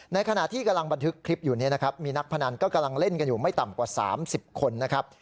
ขณะที่กำลังบันทึกคลิปอยู่เนี่ยนะครับมีนักพนันก็กำลังเล่นกันอยู่ไม่ต่ำกว่า๓๐คนนะครับ